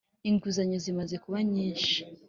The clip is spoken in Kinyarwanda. Inguzanyo zimaze kubanyishi.